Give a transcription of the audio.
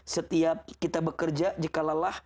setiap kita bekerja jikalalah